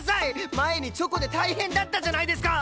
前にチョコで大変だったじゃないですか！